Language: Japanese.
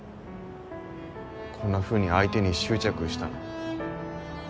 こんなふうに相手に執着したの。